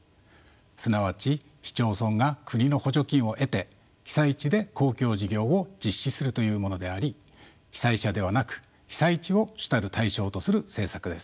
すなわち市町村が国の補助金を得て被災地で公共事業を実施するというものであり被災者ではなく被災地を主たる対象とする政策です。